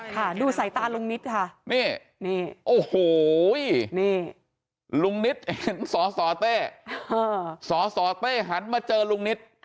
ค่ะดูสายตาลุงนิดค่ะนี่โอ้โหนี่ลุงนิตเห็นสสเต้สสเต้หันมาเจอลุงนิต